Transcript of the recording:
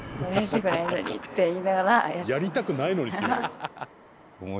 「やりたくないのに」って言うの？